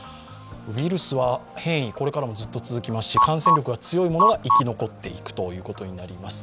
ウイルスは変異、これからもずっと続きますし感染力は強いものが生き残っていくことになります。